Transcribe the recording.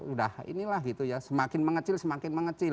udah inilah gitu ya semakin mengecil semakin mengecil